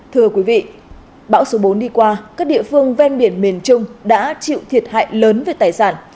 thưa quý vị bão số bốn đi qua các địa phương ven biển miền trung đã chịu thiệt hại lớn về tài sản